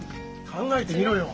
考えてみろよ。